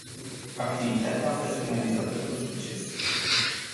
Activitatea a fost finalizată cu succes.